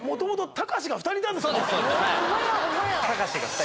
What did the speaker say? たかしが２人。